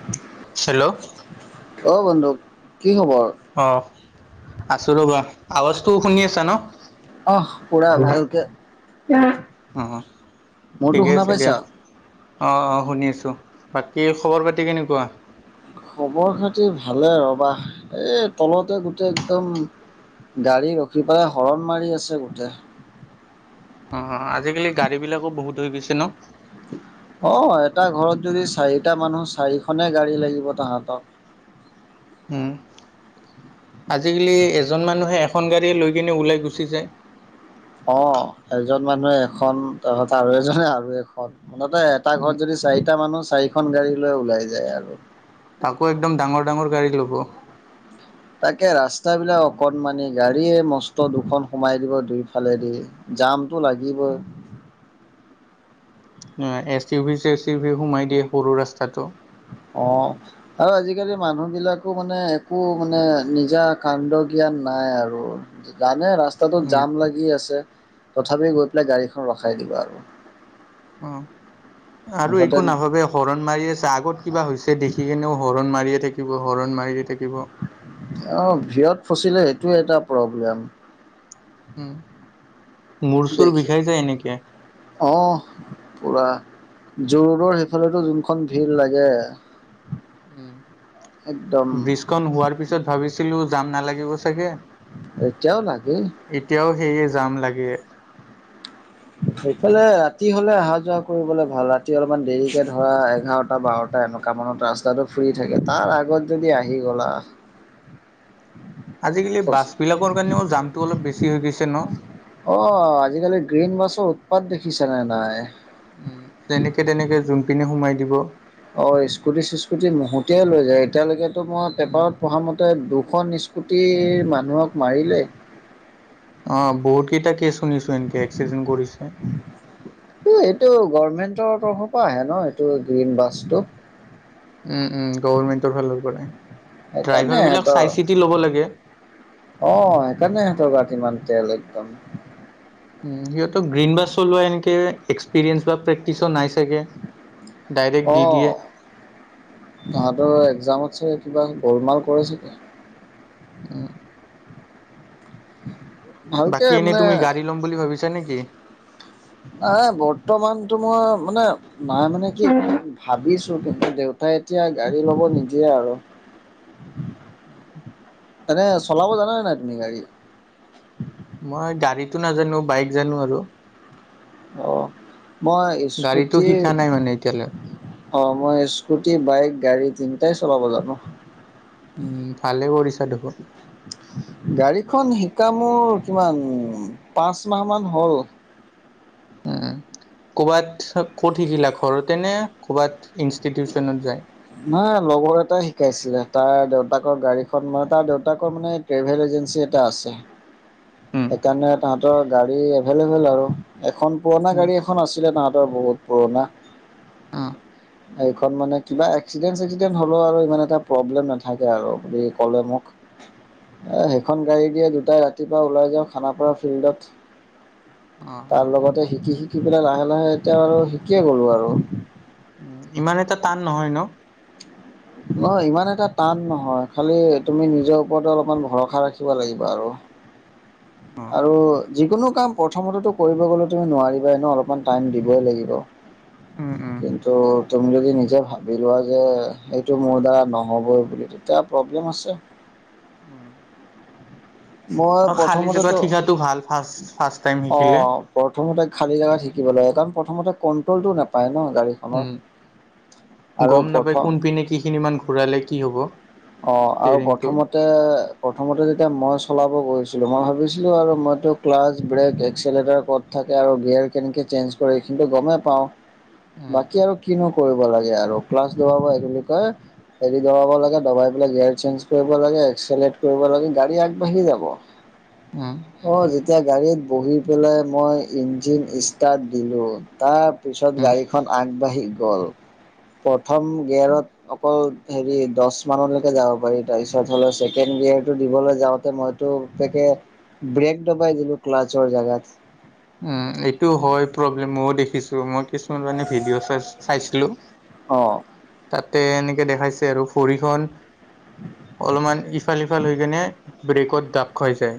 [inaudible] Hello. অ বন্ধু কি খবৰ? অ আছোঁ ৰ'বা আৱাজটো শুনি আছা ন? অহ পুৰা ভালকে অঁ মোৰতো ঠিকে শুনা আছে দিয়া পাইছা অঁ অঁ শুনি আছোঁ বাকী খবৰ পাতি কেনেকুৱা খবৰ খাতি ভালে ৰবা এই তলতে গোটেই একদম গাড়ী ৰখি পেলাই হৰণ মাৰি আছে গোটেই অ আজিকালি গাড়ী বিলাকো বহুত হৈ গৈছে ন অ এটা ঘৰত যদি চাৰিটা মানুহ চাৰিখনে গাড়ী লাগিব তাহাঁতক উম আজিকালি এজন মানুহে এখন গাড়ীয়ে লৈ কিনে ওলাই গুচি যায় অঁ এজন মানুহে এখন তহঁত আৰু এজনে আৰু এখন মুঠতে এটা ঘৰত উম যদি চাৰিটা মানুহ চাৰিখন গাড়ী লৈ ওলাই যায় আৰু তাকো একদম ডাঙৰ ডাঙৰ গাড়ী ল'ব তাকে ৰাস্তাবিলাক অকণমানি গাড়ীয়ে মষ্ট দুখন সোমাই দিব দুইফালেদি জামটো লাগিব S T V C A T V সোমাই দিয়ে সৰু ৰাস্তাটো অঁ আৰু আজিকালি মানুহবিলাকো মানে একো মানে নিজা কাণ্ড জ্ঞান নাই আৰু জানে ৰাস্তাটোত জাম লাগি আছে তথাপি গৈ পেলাই গাড়ীখন ৰখাই দিবা আৰু অ আৰু মুঠতে একো নাভাবে হৰণ মাৰি আছে আগত কিবা হৈছে দেখি কেনেও হৰণ মাৰিয়ে থাকিব হৰণ মাৰিয়ে থাকিব অ ভিয়ত ফচিলে সেইটোয় এটা প্ৰব্লেম উম মূৰ চুৰ বিষাই যায় এনেকে অঁ পুৰা যু-ৰোড সেইফালে যোনখন ভিৰ লাগে একদম উম ব্ৰিজখন হোৱাৰ পিছত ভাবিছিলো যাম নালাগিব চাগে এতিয়াও লাগে এতিয়াও সেয়ে যাম লাগে সেইফালে ৰাতি হলে অহা যোৱা কৰিবলৈ ভাল ৰাতি অলপমান দেৰিকে ধৰা এঘাৰটা বাৰটা এনেকুৱা কামানত ৰাস্তাটো ফ্ৰী থাকে তাৰ আগত যদি আহি গ'লা আজিকালি বাছ অ বিলাকৰ কাৰণেও জামটো অলপ বেছি হৈ গৈছে ন অ আজিকালি গ্ৰীণ বাছৰ উৎপাত দেখিছা নে নাই উম যেনেকে তেনেকে জোনপিনে সোমাই দিব অঁ স্কুটি চিস্কুটি মহতিয়াই লৈ যায় এতিয়ালৈকেতো মই উম পেপাৰত প্ৰথামতে দুখন স্কুটিৰ মানুহক মাৰিলে অ বহুত কেইটা কেছ শুনিছো এনকে এক্সিডেণ্ট কৰিছে এইটো গভৰ্মেন্টৰ তৰফৰ পৰা আহে ন এইটো গ্ৰীণ বাছটো গভৰ্ণমেণ্টৰ ফালৰ পৰা সেইকাৰণে ড্ৰাইভাৰবিলাক চাই সিহঁতৰ চিতি ল'ব লাগে অ সেইকাৰণে সিহঁতৰ গাত ইমান তেল একদম উ সিহঁতৰ গ্ৰীণ বাছ চলোৱা এনেকে এক্সপিৰিয়েন্ঞ্চ বা প্ৰেক্টিচো নাই চাগে ডাইৰেক্ট দি দিয়ে অঁ তহাঁতৰ এক্জামতছে কিবা গোলমাল কৰেছেগে উম উ বাকী এনেই তুমি গাড়ী ল'ম বুলি ভাবিছা নেকি এই বৰ্তমানটো মই মানে নাই মানে কি ভাবিছো কিন্তু দেউতাই এতিয়া গাড়ী ল'ব নিদিয়ে আৰু আহ এনে চলাব জানা নে নাই তুমি গাড়ী মই গাড়ীতো নাজানো বাইক জানো আৰু অ মই গাড়ীতো স্কুটি শিকা নাই মানে এতিয়ালৈ অ', মই স্কুটি বাইক গাড়ী তিনিটাই চলাব জানো উম, ভালে কৰিছা দেখোন গাড়ীখন শিকা মোৰ, কিমান পাঁচ মাহ মান হ'ল ক'ৰবাত ক'ত শিকিলা ঘৰতেনে, ক'ৰবাত ইনষ্টিটিউশনত যায় নাই লগৰ এটাই শিকাইছিলে, তাৰ দেউতাকৰ গাড়ীখন মানে, তাৰ দেউতাকৰ মানে ট্ৰেভেল এজেঞ্চি এটা আছে অ', সেইকাৰণে তাহতৰ গাড়ী এভেইলেবল আৰু, এখন পুৰণা উম গাড়ী এখন আছে আছিলে তাহাঁতৰ বহুত পুৰণা অ', এইখন মানে কিবা, এক্সিডেণ্ট চেক্সিডেণ্ট হ'লেও আৰু ইমান এটা প্ৰব্লেম নাথাকে আৰু বুলি ক'লে মোক [unintelligible] সেইখন গাড়ী দিয়ে দুটাই ৰাতিপুৱা ওলাই যাওঁ খানাপাৰা ফিল্ডত অ তাৰ লগতে শিকি শিকি পেলাই, লাহে লাহে এতিয়া আৰু শিকিয়ে গ'লো আৰু উ, ইমান এটা টান নহয় ন নহ ইমান এটা টান নহয়, খালি তুমি নিজৰ ওপৰত অলপমান ভৰসা ৰাখিব লাগিব আৰু অ আৰু যিকোনো কাম প্ৰথমতে কৰিব গলে তুমি নোৱাৰিবা, এন অলপমান টাইম দিবই লাগিব উম উম [unintelligible] ত' তুমি যদি নিজে ভাবি লোৱা যে, সেইটো মোৰ দ্বাৰা নহ'বই বুলি তেতিয়া প্ৰব্লেম আছে উম, মই আৰু খালী জেগাত প্ৰথমতেতো শিকাটো ভাল ফাৰ্ষ্ট ফাৰ্ষ্ট টাইম শিকিলে অ', প্ৰথমতে খালী জেগাত শিকিব লাগে, কাৰণ প্ৰথমতে কণ্ট্ৰলটো নাপায় ন গাড়ী উম, গম নাপায় প্ৰথম কোনপিনে কি খিনি মান ঘূৰালে কি হব অ', আৰু ষ্টেৰিংটো প্ৰথমতে তে প্ৰথমতে যেতিয়া মই চলাব গৈছিলো, মই ভাবিছিলো, আৰু মইতো ক্লাছ ব্ৰেক এক্সেল এটাৰ ক'ত থাকে, আৰু গেয়োৰ কেনেকৈ চেঞ্জ কৰে এইখিনো গমেই পাওঁ উম বাকী আৰু কিনো কৰিব লাগে আৰু, ক্লাছ দ হেৰি দবাব লাগে দবাই গাৰ চেঞ্জ কৰিব লাগে, ক কৰিব লাগে গাড়ী আগবাঢ়ি যাব উম অ', [unintelligible] এতিয়া গাড়ীত বহি পেলাই মই ইঞ্জিন ষ্টাৰ্ট দিলোঁ, তাৰ পিছত উম গাড়ীখন আগবাঢ়ি গ'ল, প্ৰথম গেয়াৰত অকল হেৰি দহ মানলৈকে যাব পাৰি, তাৰপিছত হ'লেও ছেকেণ্ড ইিয়েৰটো দিবলৈ যাওঁতে মইতো তেকে ব্ৰেক ডবাই দিলোঁ ক্লাছৰ জেগাত উ এইটো হয় প্ৰব্লেম ময়ও দেখিছো, মই কিছুমান মানে ভিডিঅ' চাই চাইছিলো অ', তাতে, এনেকে দেখাইছে আৰু ভৰিখন অলপমান ইফালফ সফাল হৈ কেনে ব্ৰেকত দাপ খাই যায়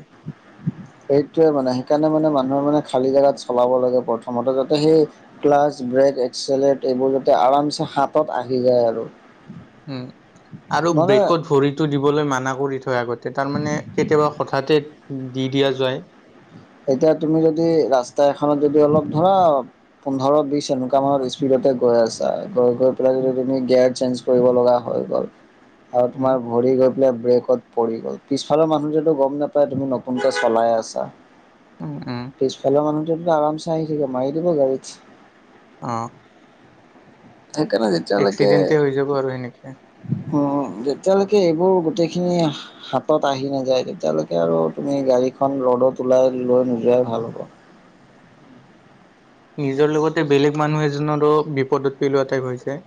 সেইটোৱে মানে, সেইকাৰণে মানে মানুহে মানে খালী জেগাত চলাব লাগে, প্ৰথমতে যাতে সেই ক্লাছ ব্ৰেক, এক্সলেট এইবোৰ যাতে আৰামছে হাতত আহি যায় আৰু উম, আৰু মানে ব্ৰেকত ভৰি টো দিবলৈ মানা কৰি থয়, আগতে তাৰমানে কেতিয়াবা হঠাতে দি দিয়া যায় এতিয়া, তুমি যদি ৰাস্তা এখনত যদি অলপ ধৰা পোন্ধৰ বিশ এনেকুৱা মানৰ স্পীডতে গৈ আছে গৈ, গৈ, পেলাই যদি তুমি গেয়াৰ চেঞ্জ কৰিব লগা হৈ গ'ল, আৰু উম তোমাৰ ভৰি গৈ বলে ব্ৰেকত পৰি গ'ল, পিছফালৰ মানুহ যতো গম নাপায় তুমি নতুনকৈ চলাই আছা অ', পিছফালৰ মানুহটোতো আম চাই আহি থাকে মাৰি দিব গাড়ীত অ', থাকে নে এক্সিডেণ্টেই হৈ যাব আৰু সেনেকে। অ' যেতিয়ালৈকে এইবোৰ গোটেইখিনি। হাতত আহি নাযায়, তেতিয়ালৈকে আৰু তুমি গাড়ীখন ৰ'দত ওলাই লৈ নোযোৱাই ভাল হ'ব। নিজৰ লগতে বেলেগ মানুহ এজনৰো বিপদত পেলোৱা টাইপ হৈছে।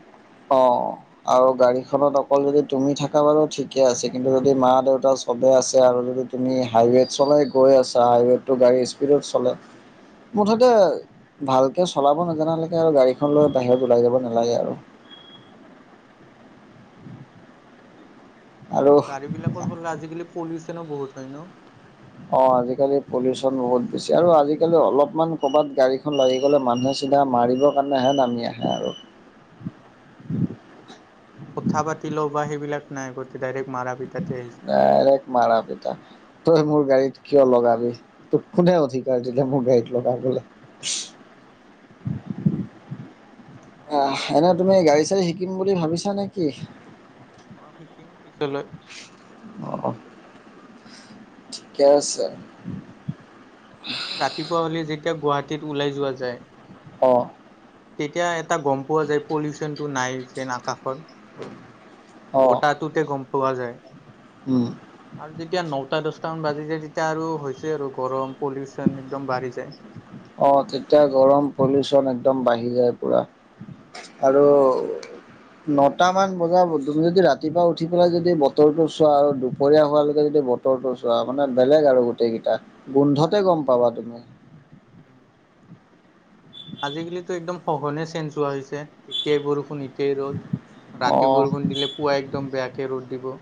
অ' আৰু গাড়ীখনত অকল যদি তুমি থাকা বাৰু ঠিকে আছে। কিন্তু যদি মা দেউতা চবে আছে আৰু যদি। তুমি হাইৱেত চলাই গৈ আছা, হাইৱেতটো গাড়ীৰ স্পীডত চলে মুঠতে। ভালকে চলাব নজানালৈকে আৰু গাড়ীখন লৈ বাহিৰত ওলাই যাব নালাগে আৰু। আৰু গাড়ী বিলাকৰ ফলতে আজিকালি পলিউচনো বহুত হয় ন। অ' আজিকালি পলিউঅচন বহুত বেছি আৰু আজিকালি অলপমান ক'ৰবাত গাড়ীখন লাগি গ'লে মানুহে। চিধা মাৰিবৰ কাৰণেহে নামি আহে আৰু কথা পাতি লও বা সেইবিলাক নাই গোটেই ডাইৰেক্ট মাৰা পিতাতে আহি যায়। মাৰৰ পিতা তই মোৰ গাড়ীত কিয় লগাবি ত। কোনে অধিকাৰ দিলে মোৰ গাড়ীত লগা বলে। অ' আৰু এনে তুমি গাড়ী চাড়ী শিকিম বুলি ভাবিছা নেকি? অ' শিকিম পিছলৈ। অ ঠিকে আছে। এনেই ৰাতিপুৱা হ'লে যেতিয়া গুৱাহাটীত ওলাই যোৱা যায়। অ' তেতিয়া এটা গ'ম পোৱা যায়। পলিউঅচনটো নাই যেন আকাশত অ বতাত তোতে গ'ম পোৱা যায়। উম। আৰু যেতিয়া নটা দছটামান বাজি যায় তেতিয়া আৰু হৈছে আৰু গৰম পলিউঅচন একদম বাঢ়ি যায়। আহ তেতিয়া গৰম পলিউঅচন একদম বাঢ়ি যায় পোৰা। আৰু ফিল হয় এইটো এটা নটামান বজাত তুমি যদি ৰাতিপুৱা উঠি পেলাই যদি বতৰটো চোৱা আৰু দুপৰীয়া হোৱালৈকে যদি বতৰ ৰটো চোৱা মানে বেলেগ আৰু গোটেইকেইটা গোন্ধতে গ'ম উম পাবা তুমি। উম। আজিকালিতো একদম সঘনে চেঞ্জ হোৱা হৈছে এতিয়াই বৰষুণ এতিয়া ৰ'দ অ ৰাতি বৰষুণ দিলে পুৱাই একদম বেয়াকে ৰ'দ দিব।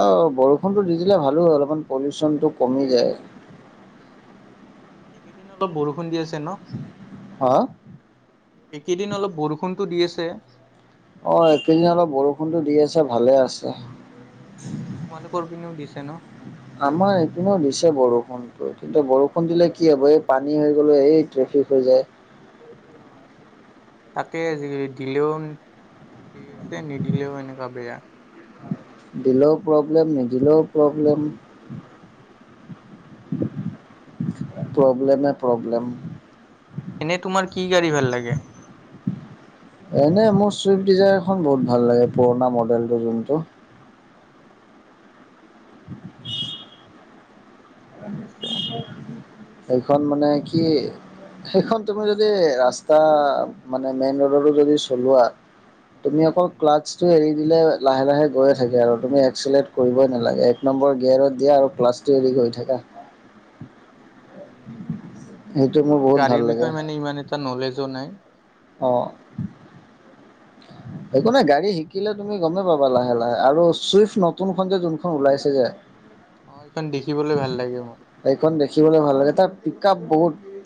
অ' বৰষুণটো দি দিলে ভালো হয়। অলপমান পলিউঅচনটো কমি যায়। এইকেইদিন অলপ বৰষুণ দি আছে ন। হা এই কেইদিন অলপ বৰষুণটো দি আছে। অ' এইকেইদিন অলপ বৰষুণটো দি আছে ভালে আছে। অ তোমালোকৰ পিনও দিছে ন। আমাৰ এইপিনেও দিছে বৰষুণটো। কিন্তু বৰষুণ দিলে কি হ'ব এই পানী হৈ গ'লে এই ট্ৰেফিক হৈ যায়। অ' তাকে আজিকালি দিলেও হেৰি হৈছে নিদিলেও এনেকুৱা বেয়া। দিলেও প্ৰব্লেম, নিদিলেও প্ৰব্লেম। প্ৰব্লেমেই, প্ৰব্লেম। এনেই তোমাৰ কি গাড়ী ভাল লাগে। এনেই মোৰ ছুইফ্ট ডিজায়াৰখন বহুত ভাল লাগে পুৰণা মডেলটো যোনটো। অ [unintelligible] ঠিকে আছে এইখন মানে কি। সেইখন তুমি যদি ৰাস্তা মানে মেইন ৰোডতো যদি চলোৱা। তুমি অকল ক্লাছ এৰি দিলে লাহে লাহে গৈয়ে থাকে আৰু তুমি এক্সলেট কৰিবই নালাগে এক নম্বৰ গেয়াৰত দিয়া আৰু ক্লাছ টো এৰি গৈ থাকা। হয় নেকি? সেইটো মোৰ বহুত ভাল গাড়ীৰ লাগে বিষয়ে মানে ইমান এটা নলেজো নাই। অ'। [inaudible] একো নাই গাড়ী শিকিলে তুমি গ'মেই পাবা লাহে লাহে, আৰু চুইফ্ট নতুনখন যে যোনখন ওলাইছে যে অ' এইখন দেখিবলৈ ভাল লাগে, মই সেইখন দেখিছো। দেখিবলৈ ভাল লাগে, তাৰ পিক আপ বহুত।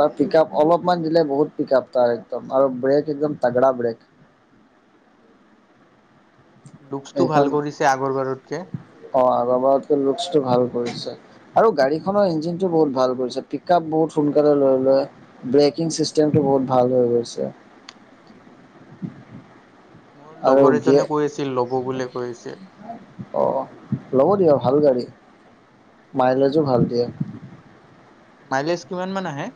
তাৰ পিক আপ অলপমান দিলে বহুত পিক আপ তাৰ একদম আৰু ব্ৰেক একদম তাগৰা ব্ৰেক। লুকচটো সেইখন ভাল কৰিছে আগৰ বাৰতকে। অ' আগৰবাৰতকে লুকচটো ভাল কৰিছে। আৰু গাড়ীখনৰ ইঞ্জিনটো বহুত ভাল কৰিছে, পিক আপ বহুত সোনকালে লৈ লয়। ব্ৰেকিং চিষ্টেমটো বহুত ভাল হৈ গৈছে। উম। মোৰ আৰু লগৰ গিয়ে এজনে কৈ আছিল, ল'ব বুলি কৈ আছিল। অ' ল'ব দিয়ক ভাল গাড়ী, মাইলেজো ভাল দিয়ে। মাইলেজ কিমান মান আহে?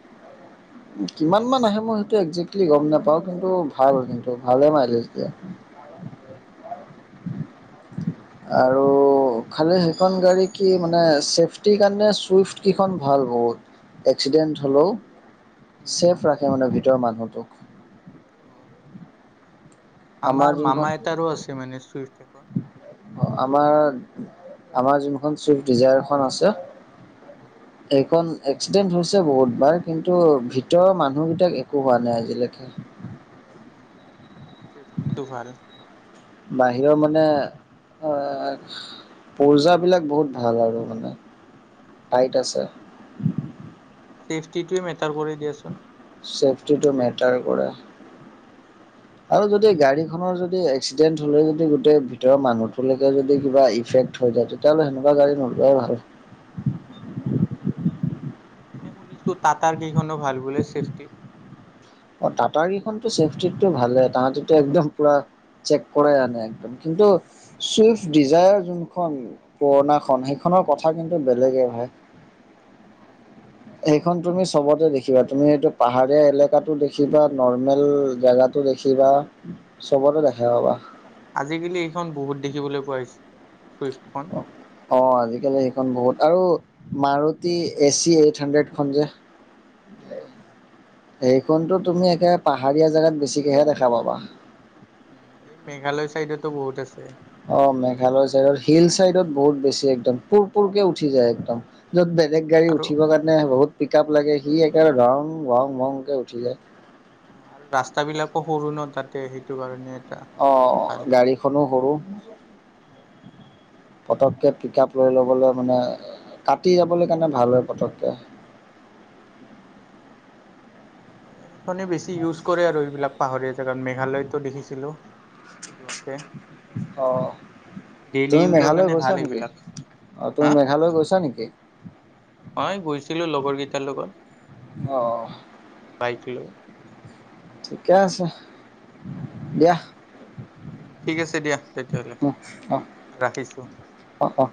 কিমানমান আহে মই সেইটো একজেক্টলি গ'ম নাপাওঁ কিন্তু ভাল কিন্তু ভালে মাইলেজ দিয়ে। আৰু খালি সেইখন গাড়ী কি মানে চেফটিৰ কাৰণে চুইফটকেইখন ভাল বহুত। এক্সিডেন্ট হ'লেও উম ছেফ ৰাখে মানে ভিতৰৰ মানুহটোক। অ আমাৰ মামা এটাৰো আছে মানে চুইট এখন। অ' আমাৰ আমাৰ যোনখন চুইফট ডিজায়াৰখন আছে এইখন এক্সিডেণ্ট হৈছে বহুতবাৰ কিন্তু ভিতৰৰ মানুহবেইটাক একো হোৱা নাই আজিলৈকে। চেফটিটো ভাল। বাহিৰৰ মানে আ পৰ্জাবিলাক বহুত ভাল আৰু মানে টাইট আছে। চেফটিটোৱে মেটাৰ কৰে দিয়াচোন। গাড়ী ছেফটিটো চাড়ীৰ। মেটাৰ কৰে। [inaudible] আৰু যদি গাড়ীখনৰ যদি এক্সিডেণ্ট হ'লে যদি গোটেই ভিতৰৰ মানুহটোলৈকে যদি কিবা ইফেক্ট থৈ যায় তেতিয়াহ'লে হেনেকুৱা গাড়ী নোলোৱাই ভাল। মই শুনিছোঁ টাটাৰকেইখনো ভাল বোলে চছেফটি। অ' টাটাৰকেইখনতো চেফটিতটো ভালে, তাহাঁতিতো একদম পুৰা চেক কৰাই আনে একদম, কিন্তু চুইফ্ট ডিজায়াৰ যোনখন পুৰণাখন সেইখনৰ কথা কিন্তু বেলেগে হয়। সেইখন তুমি চবতে দেখিবা, তুমি এইটো পাহাৰীয়া এলেকাতটো দেখিবা, নৰ্মেল জেগাত দেখিবা, চবতো দেখা পাবা। আজিকালি এইখন বহুত দেখিবলৈ পোৱা হৈছে চুইফ্টখন। অ' আজিকালি সেইখন বহুত আৰু মাৰুতি এচি এইট হানড্ৰেডখন যে উম, উম, সেইখনতো তুমি একে পাহাৰীয়া জেগাত বেছিকেহে দেখা পাবা। উম, এই মেঘালয় চাইডতো বহুত আছে। অ' মেঘালয় চাইডৰ, হিল চাইদত বহুত বেছি, একদম পুৰপুৰকে উঠি যায় একদম। য'ত বেলেগ গাড়ী আৰু উঠিবৰ কাৰণে বহুত পিক আপ লাগে, সি একেবাৰে ৰং বৰং বৰংকৈ উঠি যায়। আৰু ৰাস্তাবিলাকো সৰু ন' তাতে সেইটো কাৰণে। এটা অ' ভাল। গাড়ীখনো সৰু। পটককৈ পিক আপ লৈ ল'বলৈ মানে, কাটি যাবলৈ কাৰণে ভাল হয় পটককে। এ, সেইখনে বেছি ইউজ কৰে আৰু এইবিলাক পাহৰীয়া জেগাত, মেঘালয়তো দেখিছিলো। যোৱাতে। অ ডেইলি তুমি ইউজৰ মেঘালয় কাৰণে গৈছা ভাল নেকি? এইবিলাক অ' তুমি হা মেঘালয় গৈছা নেকি? হয়, গৈছিলোঁ লগৰকেইটাৰ লগত। অ, বাইক লৈ। ঠিকে আছে, দিয়া। উম, ঠিক আছে দিয়া, তেতিয়াহ'লে ৰাখিছো। অ, অ,